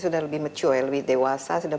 sudah lebih mature lebih dewasa sudah